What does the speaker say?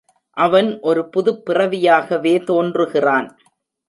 அவன் ஒரு புதுப் பிறவியாகவே தோன்றுகிறான்.